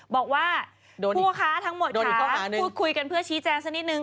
บอกว่าผู้ค้าทั้งหมดค่ะก็พูดคุยกันเพื่อชี้แจงสักนิดนึง